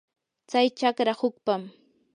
tsay chakra hukpam.